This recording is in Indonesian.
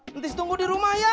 nanti saya tunggu di rumah ya